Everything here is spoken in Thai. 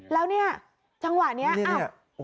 แล้วเนี่ยจังหวะนี้อ้าว